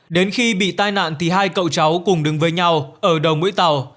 đến khi bị tai nạn thì hai cậu cháu cùng đứng với nhau ở đầu mũi tàu